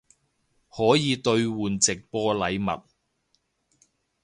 可以兑换直播禮物